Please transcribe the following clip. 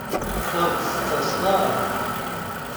Ur d-tettaseḍ ara